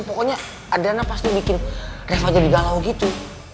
pokoknya adrena pasti bikin reva jadi galau gitu